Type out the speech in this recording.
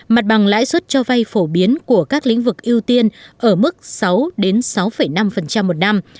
mặt bằng lãi suất cho vay phổ biến của các lĩnh vực ưu tiên ở mức sáu sáu năm một năm